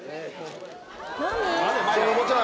何？